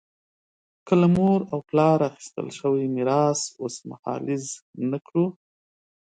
که له مور او پلار اخیستل شوی میراث اوسمهالیز نه کړو.